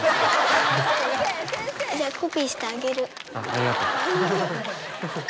ありがとう。